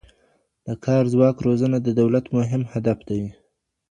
د کار ځواک روزنه د دولت مهم هدف دی.